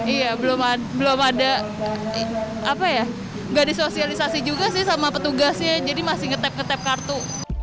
iya belum ada apa ya gak disosialisasi juga sih sama petugasnya jadi masih ngetap ngetap kartu